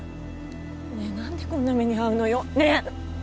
ねえ何でこんな目にあうのよねえ！